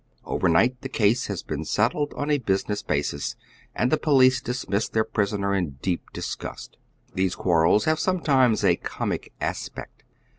Over night the case has been settled on a business basis, and the police dismiss their prisoner in deep disgust. , These quairels have sometimes a comic aspect.